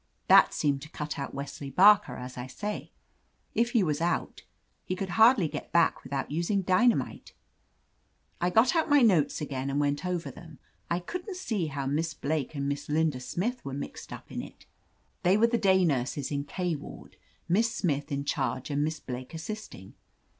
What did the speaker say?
That seemed to cut out Wesley Barker, as I say. If he was out, he could hardly get back without using dynamite. "I got out my notes again, and went over thenx I couldn't see how Miss Blake and Miss Linda Smith were mixed up in it. They were the day nurses in K ward. Miss Smith in charge and Miss Blake assisting.